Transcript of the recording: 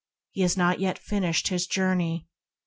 He has not yet finished his journey.